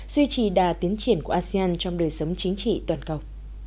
duy trì đà tiến triển của asean trong đời sống chính trị toàn cầu